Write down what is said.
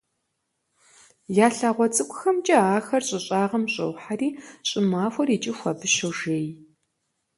Я лъагъуэ цӏыкӏухэмкӏэ ахэр щӏы щӏагъым щӏохьэри, щӏымахуэр икӏыху абы щожей.